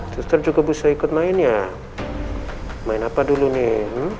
suster juga juga bisa ikut mainnya main apa dulu nih